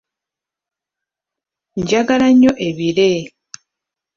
Njagala nnyo ebire.